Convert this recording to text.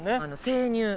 生乳。